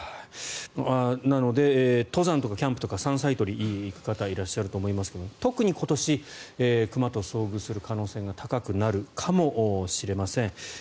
なので、登山とかキャンプとか山菜採りに行く方はいらっしゃると思いますけど特に今年、熊と遭遇する可能性が高くなるかもしれません。